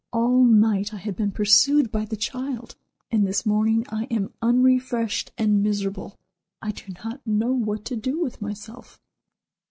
All night I have been pursued by the child; and this morning I am unrefreshed and miserable. I do not know what to do with myself."